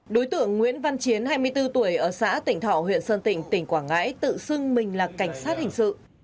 đối tượng nguyễn văn chiến hai mươi bốn tuổi ở xã tỉnh thọ huyện sơn tịnh tỉnh quảng ngãi tự xưng mình là cảnh sát hình sự